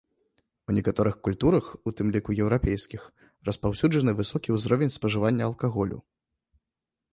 У некаторых культурах, у тым ліку еўрапейскіх, распаўсюджаны высокі ўзровень спажывання алкаголю.